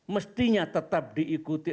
mestinya tetap diikuti